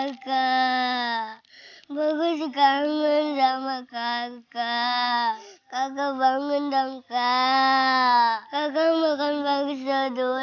hai karini bagus sempat kakak bagus karmen sama kakak kakak bangun dong kak kakak makan bakso dulu